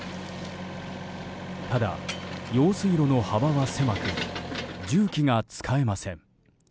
ただ、用水路の幅は狭く重機が使えません。